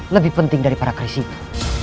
lebih penting dari para kris itu